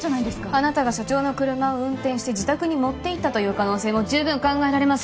あなたが社長の車を運転して自宅に持っていったという可能性も十分考えられます